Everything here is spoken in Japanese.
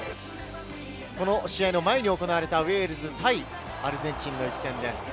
この試合の前に行われた、ウェールズ対アルゼンチンの一戦です。